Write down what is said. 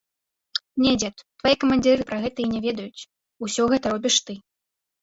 Не, дзед, твае камандзіры пра гэта і не ведаюць, усё гэта робіш ты.